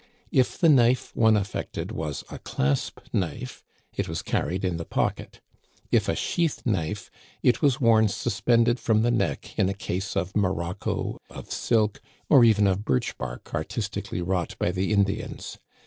ïf the knife one affected was a clasp knife, it was carried in the pocket ; if a sheath knife, it was worn suspended from the neck in a case of morocco, of silk, or even of birch bark artistically wrought by the In dians.